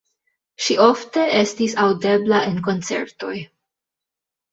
Ŝi ofte estis aŭdebla en koncertoj.